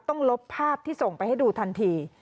ลบภาพที่ส่งไปให้ดูทันที